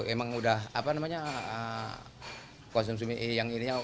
emang udah konsumsi yang ini